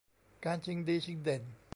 การชิงดีชิงเด่น